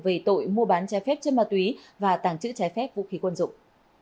về tội mua bán trái phép chân ma túy và tàng trữ trái phép vũ khí quân dụng